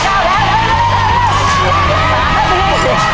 ต้นไม้ประจำจังหวัดระยองการครับ